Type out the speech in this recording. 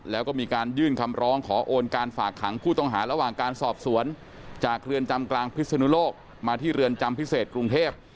แล้วก็มีการยื่นคำร้องขอโอนการฝากขังผู้ต้องหาระหว่างการสอบสวนจากเรือนจำกลางพิศนุโลกมาที่เรือนจำพิเศษกรุงเทพ